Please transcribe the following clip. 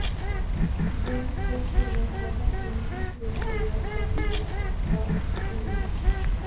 Denny co-escribió "Got a feelin" y escribió "For The Love Of Ivy".